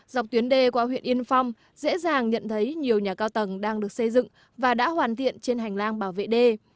dọc tuyến đê qua huyện yên phong dễ dàng nhận thấy nhiều nhà cao tầng đang được xây dựng và đã hoàn thiện trên hành lang bảo vệ đê